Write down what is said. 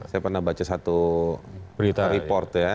saya pernah baca satu report ya